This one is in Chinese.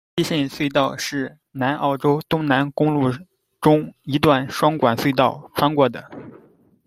希慎隧道是南澳州东南公路中一段双管隧道，穿过的。